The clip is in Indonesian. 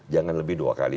jangan lebih dua kali